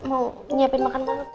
mau nyiapin makan banget